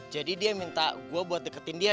jadi dia minta gue buat deketin dia